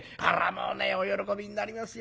もうお喜びになりますよ。